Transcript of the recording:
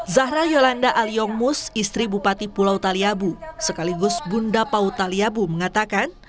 zahra yolanda aliongmus istri bupati pulau taliabu sekaligus bunda pautaliabu mengatakan